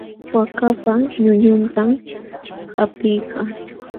Waakapa ñuñuntam qapiykaa.